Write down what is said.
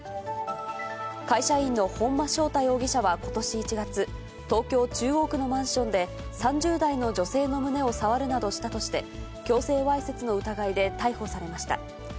会社員の本間祥太容疑者はことし１月、東京・中央区のマンションで、３０代の女性の胸を触るなどしたとして、強制わいせつの疑いで逮捕されました。